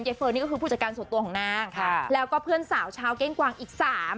เฟิร์นนี่ก็คือผู้จัดการส่วนตัวของนางแล้วก็เพื่อนสาวชาวเก้งกวางอีกสาม